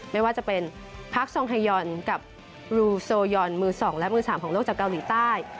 ไม่ว่าจะเป็นพักซองไฮยอนกับรูโซยอนมือ๒และมือ๓ของโลกจากเกาหลีใต้